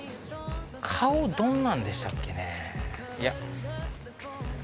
顔どんなんでしたっけねぇ。